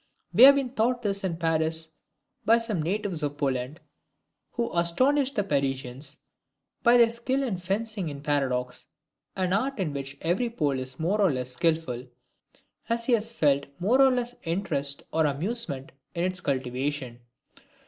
We have been taught this in Paris by some natives of Poland, who astonished the Parisians by their skill in "fencing in paradox;" an art in which every Pole is more or less skillful, as he has felt more or less interest or amusement in its cultivation.